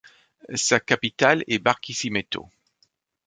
Sa capitale est Barquisimeto.